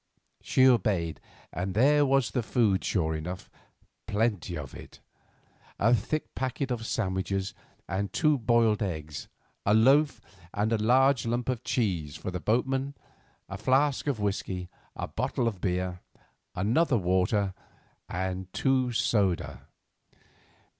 She obeyed, and there was the food sure enough, plenty of it. A thick packet of sandwiches, and two boiled eggs, a loaf, and a large lump of cheese for the boatman, a flask of whiskey, a bottle of beer, another of water, and two of soda.